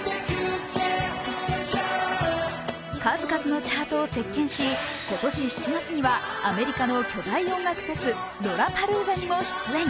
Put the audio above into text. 数々のチャートを席巻し今年７月にはアメリカの巨大音楽フェス、ロラパルーザにも出演。